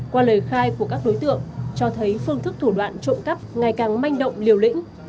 qua lời khai của các đối tượng cho thấy phương thức thủ đoạn trộm cắp ngày càng manh động liều lĩnh